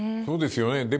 そうですよね。